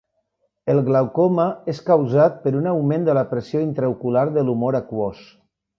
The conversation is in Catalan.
El glaucoma és causat per un augment de la pressió intraocular de l'humor aquós.